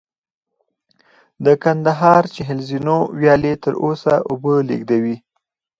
د کندهار چل زینو ویالې تر اوسه اوبه لېږدوي